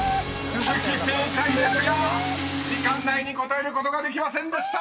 ［「鈴木」正解ですが時間内に答えることができませんでした］